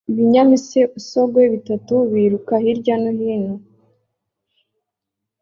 Ibinyamisogwe bitatu biruka hirya no hino